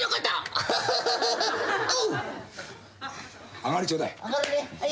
上がりちょうだい。